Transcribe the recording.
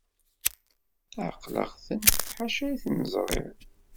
Ɛeqleɣ-ten ḥaca i ten-ẓriɣ.